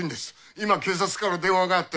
今警察から電話があって。